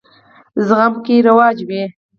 زغم پکې رواج وي.